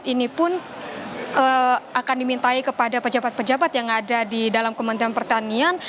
ini pun akan dimintai kepada pejabat pejabat yang ada di dalam kementerian pertanian